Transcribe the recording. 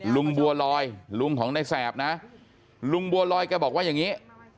ลุงบัวลอยลุงของในแสบนะลุงบัวลอยแกบอกว่าอย่างนี้